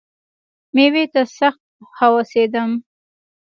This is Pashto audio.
مېوې ته سخت وهوسېدم .